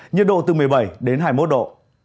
nhiệt độ từ một mươi bảy đến hai mươi một độ